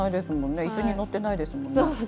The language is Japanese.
一緒に乗ってないですもんね。